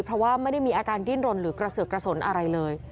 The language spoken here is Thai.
เพราะว่าไม่ได้มีอาการดิ้นรนหรือกระเสือกกระสนอะไรเลย